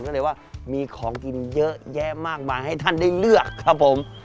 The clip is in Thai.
ก็เลยว่ามีของกินเยอะแยะมากมายให้ท่านได้เลือกครับผม